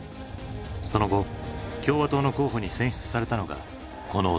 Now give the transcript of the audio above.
その後共和党の候補に選出されたのがこの男。